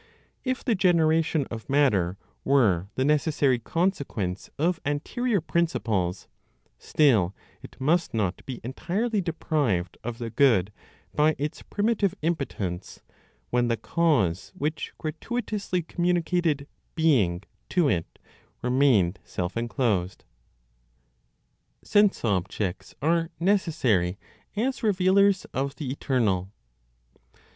If the generation of matter were the necessary consequence of anterior principles, still it must not be entirely deprived of the good by its primitive impotence, when the cause which gratuitously communicated "being" to it remained self enclosed. SENSE OBJECTS ARE NECESSARY AS REVEALERS OF THE ETERNAL.